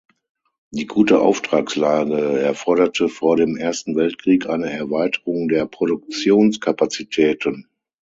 Die gute Auftragslage erforderte vor dem Ersten Weltkrieg eine Erweiterung der Produktionskapazitäten.